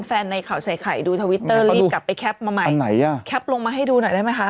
แฟนในข่าวใส่ไข่ดูรีบกลับไปมาใหม่อันไหนอ่ะลงมาให้ดูหน่อยได้มั้ยคะ